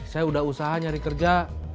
saya udah usaha nyari kerja